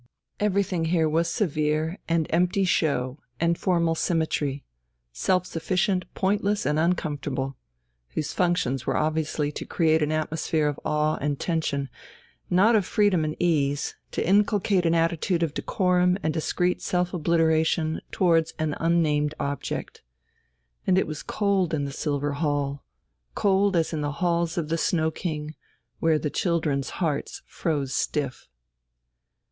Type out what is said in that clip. Everything here was severe and empty show and a formal symmetry, self sufficient, pointless, and uncomfortable whose functions were obviously to create an atmosphere of awe and tension, not of freedom and ease, to inculcate an attitude of decorum and discreet self obliteration towards an unnamed object. And it was cold in the silver hall cold as in the halls of the snow king, where the children's hearts froze stiff.